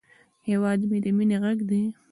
هیواد مې د مینې غږ دی